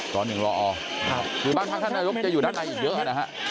ตอน๑รอออว์คือบ้านพักธรรมดรีจะอยู่ด้านในอีกเยอะนะฮะ